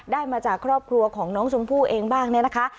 ได้มาจากครอบครัวของน้องชมพู่เองบ้างเนี่ยนะคะ